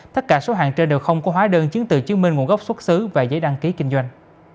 tất cả số hàng trên đều không có hóa đơn chứng từ chứng minh nguồn gốc xuất xứ và giấy đăng ký kinh doanh